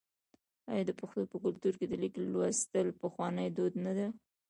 آیا د پښتنو په کلتور کې د لیک لوستل پخوانی دود نه و؟